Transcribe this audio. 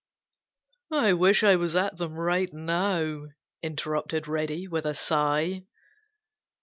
"I wish I was at them right now," interrupted Reddy with a sigh.